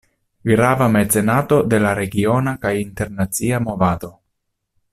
Grava mecenato de la regiona kaj internacia movado.